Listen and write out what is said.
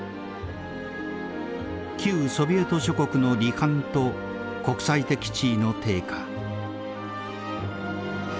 旧ソビエト諸国の離反と国際的地位の低下。